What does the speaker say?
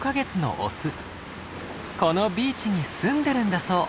このビーチに住んでるんだそう。